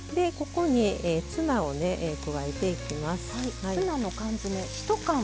ここにツナを加えていきます。